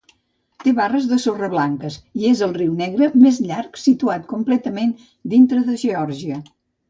Te barres de sorra blanques i és el riu negre més llarg situat completament dintre de Georgia.